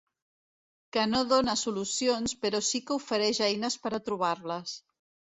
Que no dóna solucions, però sí que ofereix eines per a trobar-les.